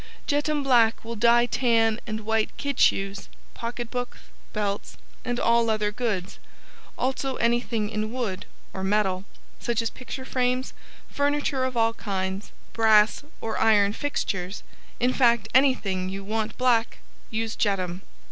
JETUM Black will dye tan and white kid shoes, pocket books, belts and all leather goods. Also anything in wood or metal, such as picture frames, furniture of all kinds, brass or iron fixtures; in fact anything you want black USE JETUM.